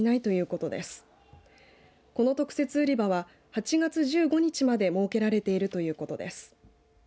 この特設売り場は８月１５日まで設けられているということです。